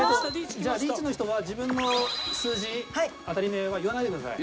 じゃあリーチの人は自分の数字当たり目は言わないでください。